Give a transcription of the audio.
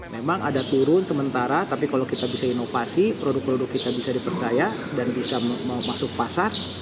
memang ada turun sementara tapi kalau kita bisa inovasi produk produk kita bisa dipercaya dan bisa mau masuk pasar